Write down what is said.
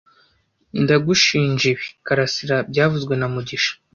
Ndagushinja ibi, Karasira byavuzwe na mugisha